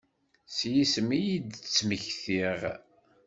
S yisem i yi-d-ttmektiɣ.